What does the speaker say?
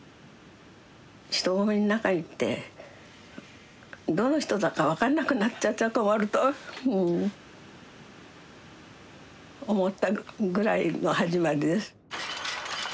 人混みの中に行ってどの人だか分かんなくなっちゃったら困ると思ったぐらいの始まりです。